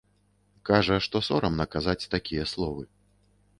Кажа, што сорамна казаць такія словы.